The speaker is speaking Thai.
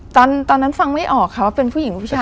ตอนนั้นฟังไม่ออกค่ะว่าเป็นผู้หญิงหรือผู้ชาย